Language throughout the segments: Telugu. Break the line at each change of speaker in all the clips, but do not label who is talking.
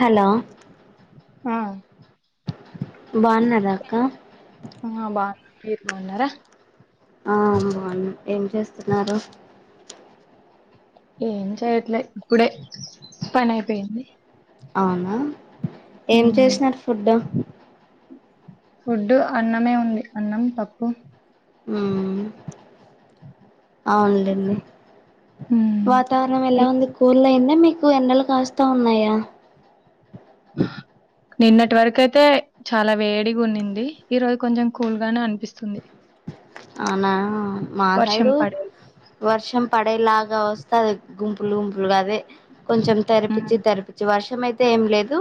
హలో
ఆ
బావున్నర అక్క
ఆ బాగున్నాం మీరు బాగున్నారా?
ఆ బాగున్నాం. ఏం చేస్తున్నారు?
ఏమి చేయట్లే ఇప్పుడే పని అయిపోయింది.
అవునా ఏం చేసినారు ఫుడ్డు?
ఫుడ్డు అన్నమే ఉంది అన్నం, పప్పు
మ్ అవునులేండి
ఉమ్
వాతావరణం ఎలా
మీ-
ఉంది కూల్ అయ్యిందా మీకు ఎండలు కాస్తా ఉన్నాయా?
నిన్నటి వరకు అయితే చాలా వేడిగ ఉన్నింది ఈ రోజు కొంచెం కూల్ గానే అనిపిస్తుంది.
అవునా మా
వర్షం
సైడు
పడే
వర్షం పడేలాగా వస్తది. గుంప్ పులు గుంపులుగా అదే కొంచెం
ఉమ్
తెరపిచ్చి తెరపిచ్చి వర్షం అయితే ఏం లేదు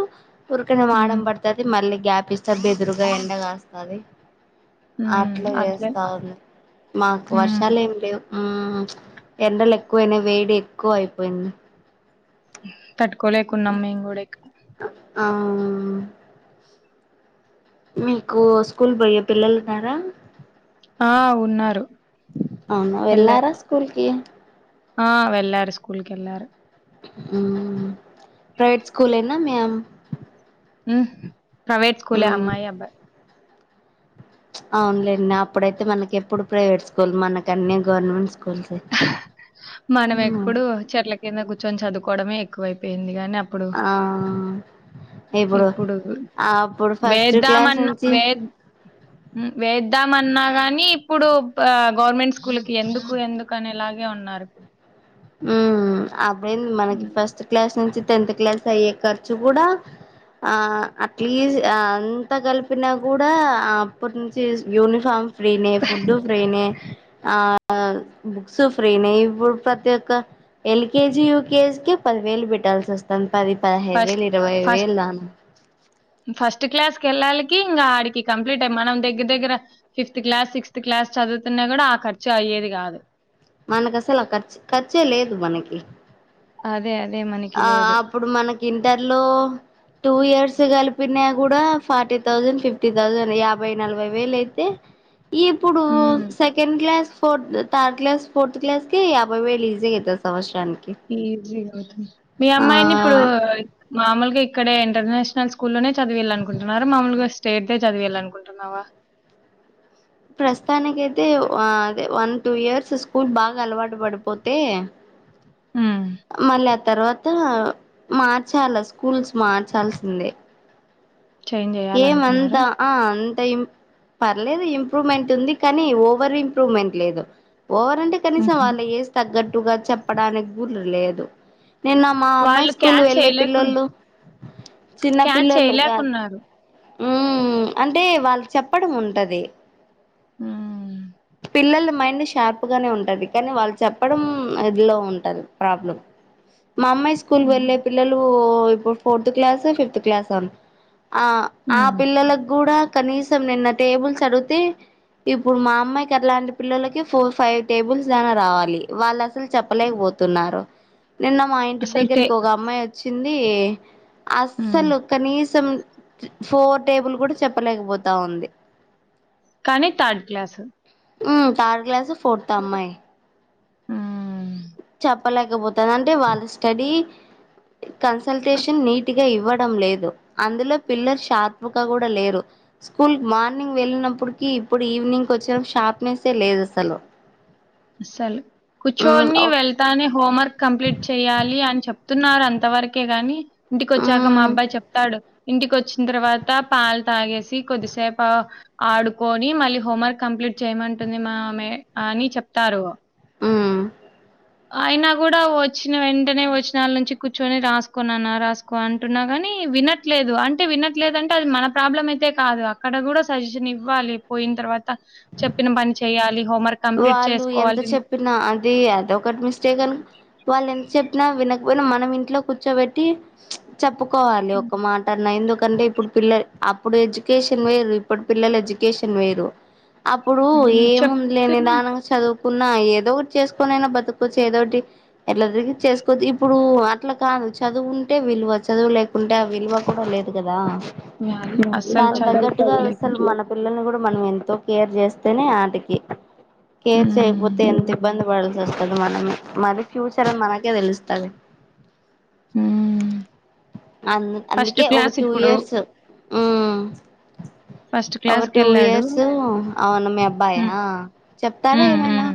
ఊరికనే
ఉమ్
మాడం పడుతది మళ్ళీ గ్యాప్ ఇస్తది బెదురుగా ఎండ కాస్తది.
ఉమ్
అట్ల
అట్లే
చేస్తా ఉంది మాకు
ఉమ్
వర్షాలు ఏమి లేవు. మ్ ఎండలు ఎక్కువయినాయి, వేడి ఎక్కువ అయిపోయింది.
తట్టుకోలేకున్నాము మేము కూడ ఇక్కడ
అ అవునా మీకు స్కూల్ పోయే పిల్లలున్నార?
ఆ ఉన్నారు.
అవునా
వెళ్ళారు
వెళ్ళారా స్కూల్కి?
ఆ వెళ్ళారు స్కూల్ కెళ్లారు.
మ్ ప్రైవేట్ స్కూల్ ఏ నా మీ అమ్
మ్మ్ ప్రైవేట్ స్కూలే
మ్మ్
అమ్మాయి, అబ్బాయి
అవునులేండి అప్పుడైతే మనకి ఎప్పుడు ప్రైవేట్ స్కూల్ మనకన్ని గవర్నమెంట్ స్ స్కూల్సు
మనం ఎప్పుడు చెట్ల కింద కూర్చొని చదువుకోవడమే ఎక్కువైపోయింది గానీ అప్
ఆ ఇప్పుడు అప్పుడు ఫస్ట్ క్లాస్ నుంచి
మ్ వేద్దామన్నా గాని ఇప్పుడు గవర్నమెంట్ స్కూల్కి ఎందుకు ఎందు కనేలాగే ఉన్నారు ఇప్పుడు
మ్ అప్పుడేంది మనకి
హ్మ్.
ఫస్ట్ క్లాస్ నుంచి టెన్త్ క్లాస్ అయ్యే ఖర్చు కూడ ఆ అట్లీస్ అంతా కలిపినా కూడ, అప్పటి నుంచి యూనిఫామ్ ఫ్రీనే, ఫుడ్ ఫ్రీనే, ఆ బుక్స్ ఫ్రీనే ఇప్పుడు ప్రతి క ఎల్కేజి యూకేజీ కె పదివేలు పెట్టాల్సి వస్ తంతావే పదహైదు
ఫస్ట్
వేలు, ఇరవై
ఫస్ట్
వేలు అన్
ఫస్ట్ క్లాస్ కి వెళ్ళాలికి ఇంక ఆడికి కంప్లీట్ అయ్యి మనం దగ్గర దగ్గర ఫిఫ్త్ క్లాస్, సిక్స్త్ క్లాస్ చదువుతున్నా కూడ ఆ ఖర్చు అయ్యేది కాదు.
మనకసలు ఆ ఖర్చు, ఖర్చే లేదు మనకి.
అదే అదే మనీ
ఆ అప్పుడు మనకి ఇంటర్లో టూ ఇయర్స్ కలిపిన కూడ ఫార్టీ థౌజండ్, ఫిఫ్టీ థౌజండ్, యాభై నలభై వేలు అయితే ఇప్పుడు
హ్మ్.
Second class fourth, third class, fourth క్లాస్కి యాభై వేలు ఈజీగ అయితాది సంవత్సరానికి.
ఈజీగ అవుతుంది. మీ
ఆ
అమ్మాయిని ఇప్పుడు మామూలుగా ఇక్కడే ఇంటర్నేషనల్ స్కూల్లోనే చదివీళ్ల అనుకుంటన్నార మాముూలుగా స్టేట్ దే చదివీళ్ల అనుకుంటన్నావ?
ప్రస్తుతానికి అయితే అదే వన్ టూ ఇయర్స్ స్కూల్ బాగా అలవాటు పడిపోతే,
హ్మ్.
మళ్ళ ఆ తర్వాత మార్చాల స్కూల్స్ మార్చాల్సిందే.
చేంజ్
ఏమంత
చేయాలనుకున్నారా?
ఆ అంత ఇం. పర్లేదు ఇంప్రూమేంట్ ఉంది కానీ ఓవర్ ఇంప్రూమెంట్ లేదు ఓవర్ అంటే. కనీసం
హుహు.
వాళ్ళ ఏజ్ తగ్గట్టుగా చెప్పడానికి గుడ లేదు. నిన్న మా అమ్మాయి
వాళ్ళు
స్కూల్
క్యాచ్
వెళ్ళే
చేయలేకున్
పిల్లలు చిన్న
క్యాచ్
పిల్లలు కాదు.
చేయలేకున్నారు.
ఉ అంటే వాళ్ళు చెప్పడం ఉంటది.
హ్మ్.
పిల్లల మైండ్ షార్ప్. నే ఉంటది కానీ వాళ్ళు చెప్పడం అదిలో ఉంటది ప్రాబ్లం మా అమ్మాయి స్. స్కూల్కి వెళ్లే
హ్మ్.
పిల్లలు ఇప్పుడు ఫోర్త్ క్లాసో ఫిఫ్త్ క్లాసో. ఆ ఆ
హ్మ్.
పిల్లలకు కూడా కనీసం నిన్న టేబుల్స్ అడిగితే. ఇప్పుడు మా అమ్మాయికి అట్లాంటి పిల్లలకి ఫోర్ ఫైవ్ టేబుల్స్ దాకా రావాలి వాళ్ళు అసలు చెప్పలేకపోతు. తున్నారు. నిన్న మా ఇంటి
అసలు టే
దగ్గరికి ఒక అమ్మాయి వచ్చింది
హ్మ్.
అస్సలు కనీసం. ఫోర్ టేబుల్ కూడా చెప్పలేకపోతా ఉంది.
కానీ థర్డ్ క్లాస్.
ఉ థర్డ్ క్లాస్ ఫోర్త్ ఆ అమ్మాయి.
హ్మ్.
చెప్పలేకపోతంది అంటే వాళ్ళ స్టడీ కన్సల్టేషన్ నీటి. గా ఇవ్వడం లేదు అందులో పిల్లలు షార్ప్ గా కూడా లేరు. స్కూల్కి మార్నింగ్ వెళ్ళినప్పుటికి ఇప్పుడు ఈవినింగ్ వచ్చినప్పటికి షార్ప్నెస్సే లేదు అసలు.
అసలు
మ్మ్
కూర్చొని
ఒ
వెళ్తానే హోంవర్క్ కంప్లీట్ చేయాలి అని చెప్. ప్తున్నారు అంత వరకే గాని ఇంటికి వచ్చాక మా
మ్మ్
అబ్బాయి చెప్తాడు. ఇంటికి వచ్చిన తర్వాత పాలు తాగేసి కొద్దిసేపు. ఆడుకొని మళ్ళీ హోంవర్క్ కంప్లీట్ చేయమంటుంది మా మే అని చెప్తారు.
ఉమ్.
అయినా కూడా వచ్చిన వెంటనే వచ్చినళ్ళ నుంచి కూర్చుని రాసుకోనన్న రాసు. కో అంటున్నా గాని వినట్లేదు అంటే వినట్లేదు అంటే అది మన ప్రాబ్లం అయితే కాదు గా. అక్కడ కూడా సజెషన్ ఇవ్వాలి పోయిన తర్వాత చెప్పిన పని చేయాలి హోంవర్క్. కంప్లీట్
వాళ్ళు ఎంత
చేసుకోవాలి.
చెప్పినా అది అదకటి మిస్టేక్ అను. వాళ్ళు ఎంత చెప్పినా వినకపోయినా మనం ఇంట్లో కూర్చోబెట్టి చెప్ప. కోవాలి
హ్మ్.
ఒక మాట అన్న ఎందుకంటే ఇప్పుడు పిల్లలు. అప్పుడు ఎడ్యుకేషన్ వేరు ఇప్పటి పిల్లలు ఎడ్యుకేషన్ వేరు అప్పుడు
హ్మ్.
ఏముంది. లే
చెప్తున్నా
నిదానంగా చదువుకున్నా ఏదోటి చేసుకొనైనా బ్రతుకవచ్చు ఏదోటి. ఎట్లా తిరిగి చేసుకోద్దు ఇప్పుడు అట్లా కాదు చదువు ఉంటే విలువ చదువులేక. కుంటే ఆ విలువ కూడా లేదు కదా
వాల్యూ అస్సలు
దాని
చదువు
తగ్గట్టుగా అసలు
లేకుంటున్నా.
మన. పిల్లల్ని కూడా మనం ఎంతో కేర్ చేస్తేనే ఆటకి. కేర్ చేయకపోతే
హ్మ్.
ఎంత ఇబ్బంది పడాల్సి వస్తుంది మనమే మరి ఫ్యూచర్ మనకే తెలుస్తది.
హ్మ్.
అంద్
ఫస్ట్
అందుకే ఒక
క్లాస్
టూ
ఇప్పుడు
ఇయర్స్. ఉమ్.
ఫస్ట్
ఒక టూ
క్లాస్‌కెళ్ళాడు.
ఇయర్స్ అవును మీ
హ్మ్.
అబ్బాయా చెప్తాడా
హ్మ్.
ఏమైనా.
హ్మ్.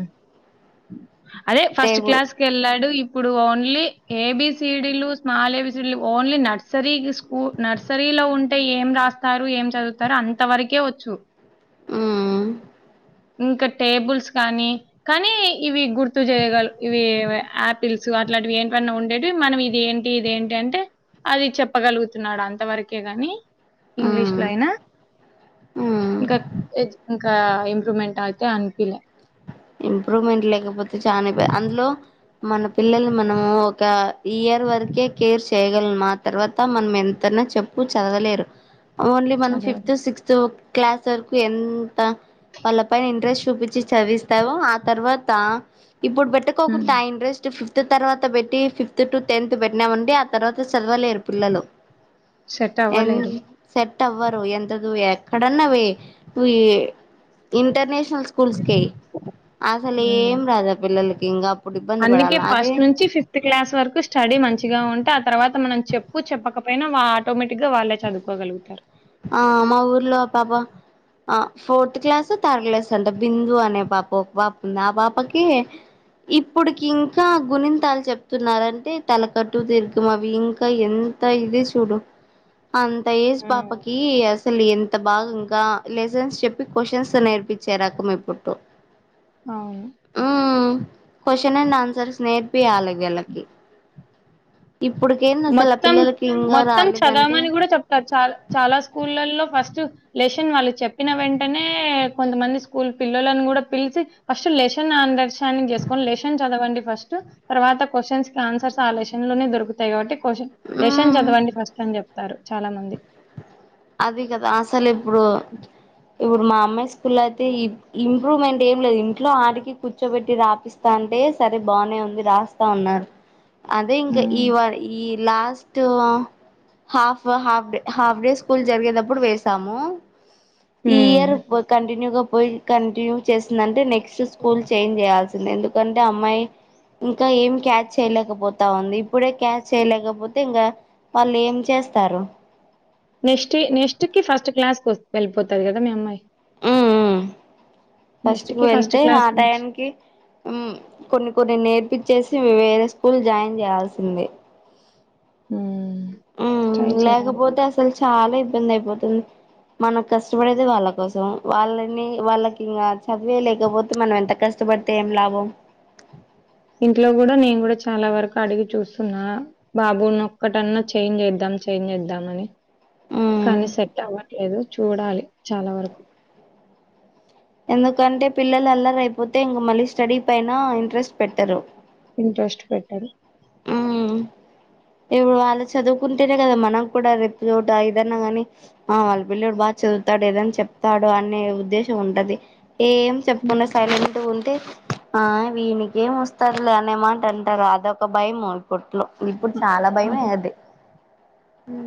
అదే ఫస్ట్
టేబుల్
క్లాస్. కేళ్ళాడు ఇప్పుడు ఓన్లీ ఏబీసిడీలు స్మాల్ ఏబీసిడీ ఓన్లీ నర్సరీ. నర్సరీలో ఉంటే ఏం రాస్తారు ఏం చదువుతారు అంత వరకే వచ్చు.
ఉమ్.
ఇంక టేబుల్స్ కానీ కానీ ఇవి గుర్తు చేయగల ఇవి ఆపిల్స్ అట్లాంటివి ఏంటన్నా ఉండేవి మనం ఇది ఏ ఇది ఏంటంటే అది చెప్పగలుగుతున్నాడు అంత వరకే గాని ఇంగ్లీష్
మ్మ్
లో అయినా
మ్మ్
ఇంకా ఇంకా ఇంప్రూవ్మెంట్ అయితే అన్పిలే
ఇంప్రూవ్మెంట్ లేకపోతే చానా ఇబ్బంది అందులో మన పిలల్ల్ను మనం ఒక ఇయర్ వరకే కేర్ చేయగలము ఆ తర్వాత మనం ఎంతనా చెప్పు చదవలేరు ఓన్లీ మనం ఫిఫ్త్
చదవలే.
సిక్స్త్ఒక క్లాస్ వరకు ఎంత వాళ్ళ పైన ఇంట్రెస్ట్ చూపించి చదివిస్తావు ఆ తర్వాత ఇప్పుడు
హ్మ్.
పెట్టుకోకుండా ఆ ఇంట్రెస్ట్ ఫిఫ్ ఫిఫ్త్ తర్వాత పెట్టి ఫిఫ్త్ టు టెన్త్ పెట్టినామండి ఆ తర్వాత చదవలేరు పిల్లలు
సెట్
ఎన్
అవ్వలేరు.
సెట్ అవ్వరు ఎంతదు ఎక్కడన్నా వెయ్యి ఇంటర్నేషనల్ స్కూల్ కే అసలు
హ్మ్.
ఏం రాదా పిల్లలకి ఇంకప్పుడు ఇబ్బంది
అందుకే
పడాల అదే
ఫస్ట్ నుంచి ఫిఫ్త్ క్లాస్ వరకు స్టడీ మంచిగా ఉంటే ఆ తర్వాత మనం చెప్పు చెప్పకపోయినా ఆటోమేటిక్ గా వాళ్ళే చదువ్ కోగలుగుతారు
ఆ మా ఊర్లో పపా ఆ ఫోర్త్ క్లాస్ థర్డ్ క్లాస్ అంట బిందు అనే పాప ఒక పాప ఉంది ఆ పాపకి ఇప్పుడుకింకా గుణంతాలు చెప్తున్నారంటే తలకట్టు దీర్ఘం అవి ఇంకా ఎన్ అంత ఇది చూడు అంత ఏజ్
హ్మ్.
పాపకి అసలు ఎన్ అంత భాగంగా లెసన్స్ చెప్పి క్వశ్చన్స్ నేర్పించే రకం ఇప్పుట్టు
అవును
ఉమ్ క్వశ్చన్ అండ్ ఆన్సర్స్ నేర్పియాల వీళ్ళకి ఇప్పుడుకేంది అసలు ఆ
మొత్తం
పిల్లలకి ఇంకా
మొత్తం
రాలేదంటే
చదవమని కూడా చెప్తారు చాల్ చాలా స్కూళ్లల్లో ఫస్ట్ లెసన్ వాళ్ళుకి చెప్పిన వెంటనే కొంతమంది స్కూల్ పిల్లలను కూడా పిలిచి ఫస్ట్ లెషన్ అండర్స్టాండింగ్ చేసుకొని లెషన్ చదవండి ఫస్ట్ తర్వాత క్వశ్చన్స్కి ఆన్సర్స్ ఆ లేషన్ లోనే దొరుక్ తయి కాబట్టి కోశన్ లెషన్
ఉమ్
చదవండి ఫస్ట్ అని చెప్తారు చాలా మంది
అది కదా అసలు ఇప్పుడు ఇప్పుడు మా అమ్మాయి స్కూల్లో అయితే ఈ ఇంప్రూమెంట్ ఏం లేదు ఇంట్లో ఆడికి కూర్చోబెట్టి రాపిస్తా అంటే సరే బానే ఉంది రాస్ బావున్నార్ అదే ఇంకా ఈ వా ఈ last half half day half days school జరిగేదప్పుడు వేసాము ఈ ఇయర్ వ కంటిన్యూగా పోయి కంటిన్యూ చేసిందంటే నెక్స్ట్ స్కూల్ చేంజ్ చేయాల్సింది ఎందుక్ తోంటే అమ్మాయి ఇంకా ఏం క్యాచ్ చేయలేకపోతా ఉంది ఇప్పుడే క్యాచ్ చేయలేకపోతే ఇంగ వాళ్లేం చేస్తారు
నెక్స్ట్ నెక్స్ట్ కి ఫస్ట్ క్లాస్ వెళ్ళిపోతాది కదా మీ అమ్మాయి
ఊ ఫస్ట్
నెక్స్ట్
కు
కి
వెళ్తే
క్లాస్ నుంచి
ఆటాయానికి ఊ కొన్ని కొన్ని నేర్పిచ్చేసి వేరే స్కూల్ జాయిన్ చేయాల్సిందే
ఊ
ఉ లేకపోతే అసల్ చాలా ఇబ్బందయిపోతుంది మనం కష్టపడేది వాళ్ళ కోసం వాళ్ళని వాళ్ళకి ఇంగ చదివే లేకపోతే మనం ఎంత కష్ కష్టపడితే ఏం లాభం
ఇంట్లో కూడా నేను కూడా చాలా వరకు అడిగి చూస్తున్నా బాబుని ఒక్కటన్నా చేంజ్ చేద్దాం చేంజ్ చేద్దామని
ఉమ్
కానీ సెట్ అవ్వట్లేదు చూడాలి చాలా వరకు
ఎందుకంటే పిల్లలు అల్లరయిపోతే ఇంగ మళ్ళీ స్టడీ పైన ఇంట్రెస్ట్ పెట్టరు
ఇంట్రెస్ట్ పెట్టారు
మ్ ఇప్పుడు వాళ్ళ చదువుకుంటేనే కదా మనకు కూడా రేపు చోట ఇదన్నా గా ని ఆ వాళ్ళ పిల్లోడు బాగా చదువుతాడు ఏదనా చెప్తాడు అనే ఉద్దేశం ఉంటది ఏం
హ్మ్.
చెప్పుకుండా సైలెంట్ ఉంటే ఆ వీనికి ఏం వస్తారులె అనే మాట అంటారు అదొక భయం కొట్లో ఇప్పుడు
అ!
చాలా భయమే
అని
అది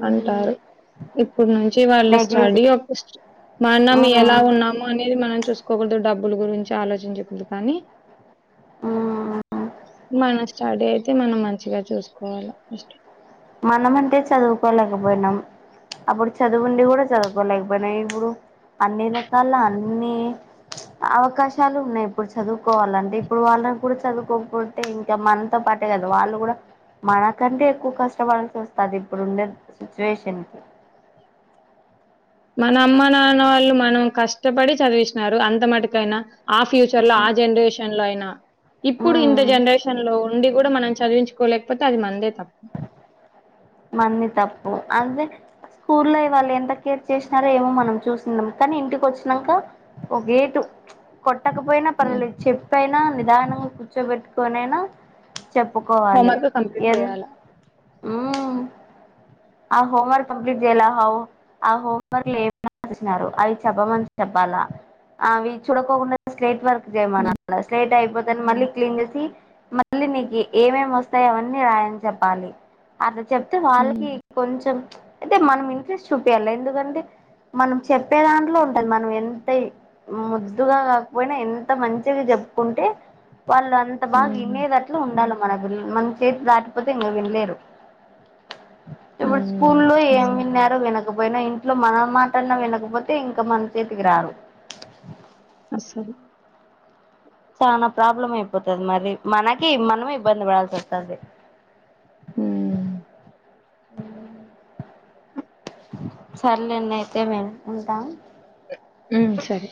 అంటారు ఇప్పుడు నుంచి వాళ్ళ
నెగ్లిజి
స్టడీ ఒక మనం ఎలా ఉన్నాము అనేది మనం చూస్ కోకూడదు డబ్బులు గురించి ఆలోచించకూదనీ
ఆ
మన స్టడీ అయితే మనం మంచిగా చూసుకోవాలి ఫస్టు
మనం అంటే చదువుకోలేకపోయినాం అప్పుడు చదువుండి కూడా చదువుకోలేకపోయినం ఇప్పుడు అన్ని రకాల అన్నిీ అవకాశాలు ఉన్నాయి ఇప్పుడు చదువుకోవాలంటే ఇప్పుడు వాళ్ళకూ కూడా చదువుకోకా పోత్ టె ఇంకా మనతో పాటే కదా వాళ్ళు కూడా మనకంటే ఎక్కువ కష్ ష్ట పడాల్సి వస్తది ఇప్పుడు ఉండే సిచ్యువేషన్ కి
మన అమ్మ నాన్న వాళ్ళు మనం కష్టపడి చదివిసినారు అంత మట్టుకైనా ఆ ఫ్యూచర్లా ఆ జనరేష్ షన్లో అయినా ఇప్పుడు ఇంత
ఉమ్
జనరేషన్ లో ఉండి కూడా మనం చదివించుకోలేకపోతే అది మనదే తప్
మన్ది తప్పు అదే స్కూల్లో వాళ్ళు ఎంత కేర్ చేసినారో ఏమో మనం చూసనం కానీ ఇంటికి వచ్చినాక ఓ గేటు కొట్టకపోయినా
హ్మ్.
పర్వలేదు చెప్పైనా నిదానంగా కూర్చోబెట్టుకొనైనా చెప్పుకోవాలి
హోంవర్క్ కంప్లీట్
ఎన్
చేయాల
మ్ ఆ హోమ్ వర్క్ కంప్లీట్ చేయలా ఆ హోమ్ వర్క్ లేదా నారు అవి చెప్పమన్ చెప్పల అవి చూడకోకుండా స్ట్రేట్ వర్క్
హ్మ్.
చేయమనల స్లెట్ అయిపోతేని మళ్ళీ క్లీన్ చేసి మళ్ళీ నీకు ఏమేమి వస్తాయొ అవన్నీ రాయని చెప్పాలి అట్లా చెప్తే వాళ్ళకి
హ్మ్.
కొంచెం అయితే మనం ఇంట్రెస్ట్ చూపించాలి ఎందుకంటే మనం చెప్పే దాంట్లో ఉంటది మనం ఎంత ముద్దుగా కాకపోయినా ఎంత మంచిగా చెప్పుకుంటే వాళ్ళు అంత బాగా
హ్మ్.
వినేేదట్లు ఉండాలే మనా పిల్ మన చేతి దాటిపోతే ఇంగ వినలేరు ఏ వాడు
హ్మ్.
స్కూళ్ళో ఎం
అసలు
విన్నడ్ వినకపోయినా ఇంట్లో మన మాట అన్నా వినకపోతే ఇంకా మన చేతికి రారు
అస్సలు
చనా ప్రాబ్లం అయిపోతది మరి మనకి మనమే ఇబ్బంది పడాల్సి వస్తది
మ్
సర్లేండి అయితే నిను ఉంటా
మ్ సరే